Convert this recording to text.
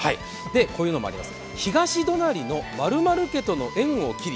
こういうのもあります。